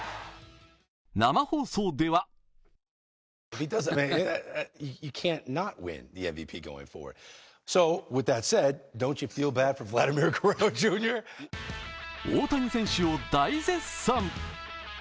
生放送では大谷選手を大絶賛。